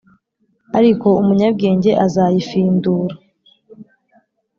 ariko umunyabwenge azayifindura